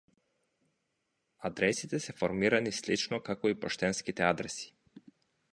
Адресите се формирани слично како и поштенските адреси.